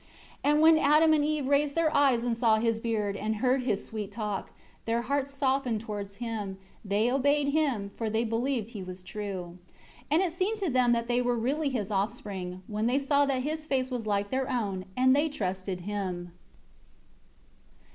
28 And when Adam and Eve raised their eyes and saw his beard, and heard his sweet talk, their hearts softened towards him; they obeyed him, for they believed he was true. 29 And it seemed to them that they were really his offspring, when they saw that his face was like their own; and they trusted him.